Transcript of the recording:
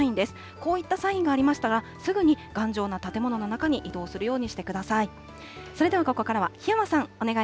こういったサインがありましたら、すぐに頑丈な建物の中に移動するようにしてください。